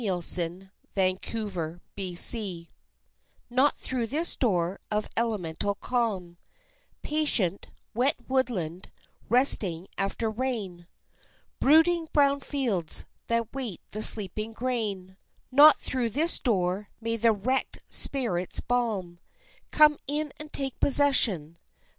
XIX Not through this Door Not through this door of elemental calm, Patient, wet woodland, resting after rain, Brooding brown fields that wait the sleeping grain Not through this door may the wrecked spirit's balm Come in and take possession.